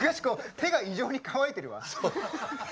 手が異常に乾いてるわ！